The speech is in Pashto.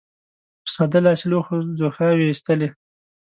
په ساده لاسي لوښو ځوښاوې اېستلې.